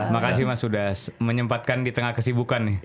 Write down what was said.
makasih mas sudah menyempatkan di tengah kesibukan nih